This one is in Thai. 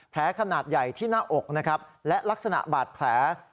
แผลขนาดใหญ่ที่หน้าอกนะครับและลักษณะบาดแผล